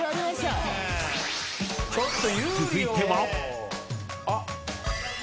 ［続いては］